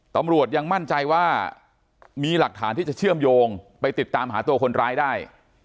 ตำรวจยังมั่นใจว่ามีหลักฐานที่จะเชื่อมโยงไปติดตามหาตัวคนร้ายได้